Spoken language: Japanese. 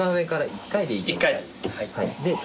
１回。